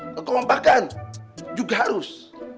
kekompakan juga harus